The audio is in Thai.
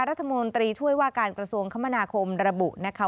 รัฐมนตรีช่วยว่าการกระทรวงคมนาคมระบุนะคะ